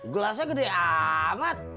gelasnya gede amat